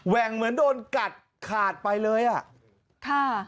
่งเหมือนโดนกัดขาดไปเลยอ่ะค่ะ